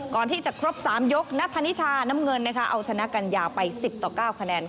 ก่อนที่จะครบ๓ยกนัทธนิชาน้ำเงินนะคะเอาชนะกัญญาไป๑๐ต่อ๙คะแนน